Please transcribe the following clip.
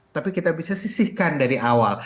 tapi kita bisa sisihkan dari awal